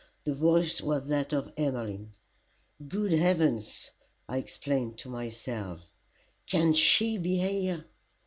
The voice was that of Emmeline. "Good heavens!" I exclaimed to myself "can she be here?"